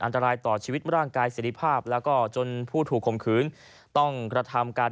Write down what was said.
อันตรายต่อชีวิตร่างกายเสร็จภาพแล้วก็จนผู้ถูกข่มขืนต้องกระทำการ